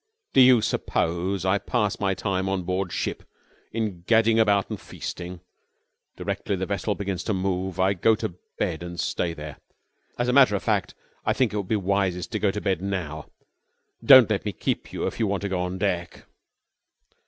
"Do you suppose I pass my time on board ship in gadding about and feasting? Directly the vessel begins to move I go to bed and stay there. As a matter of fact I think it would be wisest to go to bed now. Don't let me keep you if you want to go on deck."